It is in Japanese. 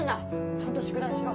ちゃんと宿題しろ。